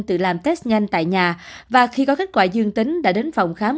tự làm test nhanh tại nhà và khi có kết quả dương tính đã đến phòng khám